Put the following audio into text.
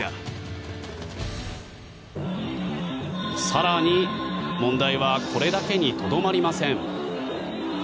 更に、問題はこれだけにとどまりません。